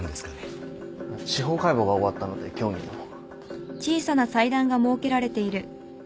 司法解剖が終わったので今日にでも。